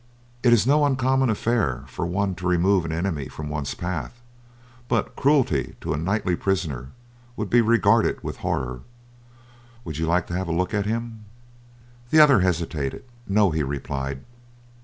It is no uncommon affair for one to remove an enemy from one's path; but cruelty to a knightly prisoner would be regarded with horror. Would you like to have a look at him?" The other hesitated. "No," he replied.